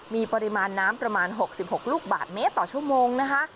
มีปริมาณน้ำประมาณ๖๖ลูกบาทเมตรต่อชั่วโมงนะคะ